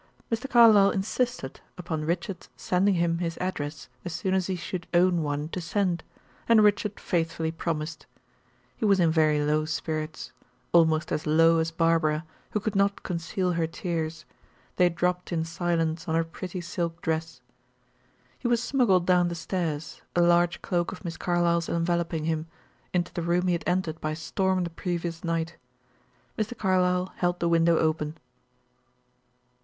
Mr. Carlyle insisted upon Richard's sending him his address, as soon as he should own one to send, and Richard faithfully promised. He was in very low spirits, almost as low as Barbara, who could not conceal her tears; they dropped in silence on her pretty silk dress. He was smuggled down the stairs, a large cloak of Miss Carlyle's enveloping him, into the room he had entered by storm the previous night. Mr. Carlyle held the window open.